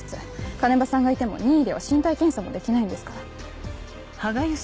鐘場さんがいても任意では身体検査もできないんですから。